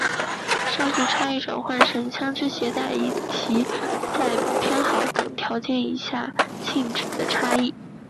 上述差异转化成在枪枝携带以及在偏好等条件以下的实质性差异。